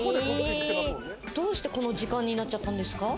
どうしてこの時間になっちゃったんですか？